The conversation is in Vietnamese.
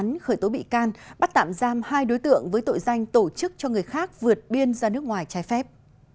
để tự tố vụ án khởi tố bị can bắt tạm giam hai đối tượng với tội danh tổ chức cho người khác vượt biên ra nước ngoài trái phép